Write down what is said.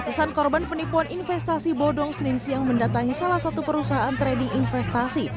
ratusan korban penipuan investasi bodong senin siang mendatangi salah satu perusahaan trading investasi